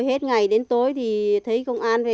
hết ngày đến tối thì thấy công an về